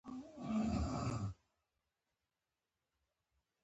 هغه له ځان سره دا نه وو ويلي چې دنده غواړي.